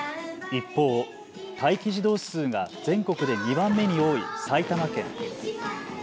一方、待機児童数が全国で２番目に多い埼玉県。